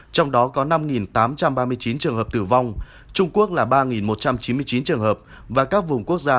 trong đó có năm tám trăm ba mươi chín trường hợp tử vong trung quốc là ba một trăm chín mươi chín trường hợp và các vùng quốc gia